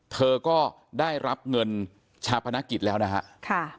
เธอก็ได้รับเงินชาปนกิจแล้วนะฮะ